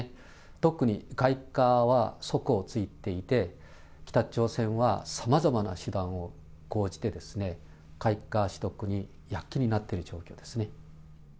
特に外貨は底をついていて、北朝鮮はさまざまな手段を講じて、外貨取得に躍起になっている状況ですね。